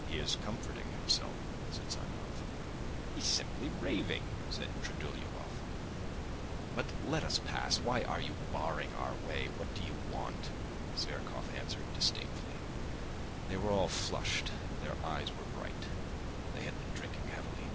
"He is comforting himself," said Simonov. "He's simply raving," said Trudolyubov. "But let us pass. Why are you barring our way? What do you want?" Zverkov answered disdainfully. They were all flushed, their eyes were bright: they had been drinking heavily.